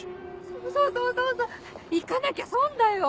そうそう！行かなきゃ損だよ！